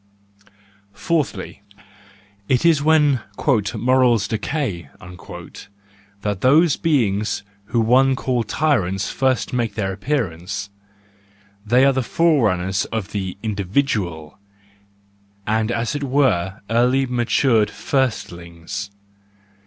—Fourthly, it is when " morals decay " that those beings whom one calls tyrants first make their appearance; they are the forerunners of the individual , and as it were early matured firstlings